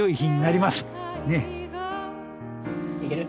いける？